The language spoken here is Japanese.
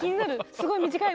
すごい短い。